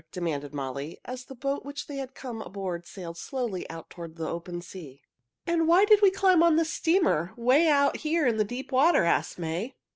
demanded Molly, as the boat which they had just come aboard sailed slowly out toward the open sea. "And why did we climb onto this steamer 'way out here in the deep water?" asked May.